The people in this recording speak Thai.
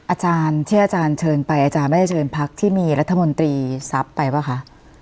อาจารย์ที่อาจารย์เชิญไปอาจารย์ไม่ได้เชิญพักที่มีรัฐมนตรีทรัพย์ไปป่ะคะ